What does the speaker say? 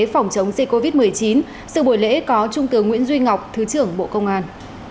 phòng chống dịch covid một mươi chín sự buổi lễ có trung tướng nguyễn duy ngọc thứ trưởng bộ công an